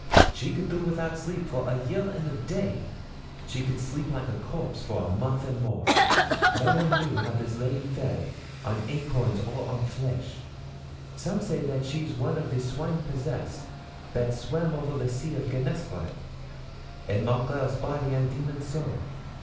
She could do without sleep for a year and a day; She could sleep like a corpse, for a month and more. No one knew how this lady fed On acorns or on flesh. Some say that she's one of the swine possessed, That swam over the sea of Gennesaret. A mongrel body and demon soul.